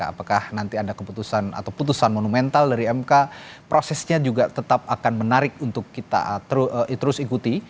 apakah nanti ada keputusan atau putusan monumental dari mk prosesnya juga tetap akan menarik untuk kita terus ikuti